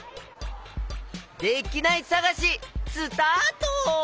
できないさがしスタート！